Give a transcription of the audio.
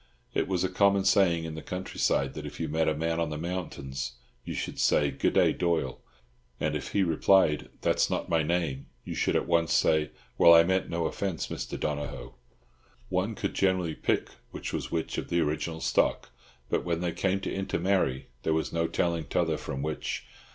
It was a common saying in the country side that if you met a man on the mountains you should say, "Good day, Doyle," and if he replied, "That's not my name," you should at once say, "Well, I meant no offence, Mr. Donohoe." One could generally pick which was which of the original stock, but when they came to intermarry there was no telling t'other from which.